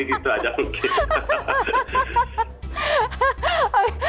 jadi gitu aja mungkin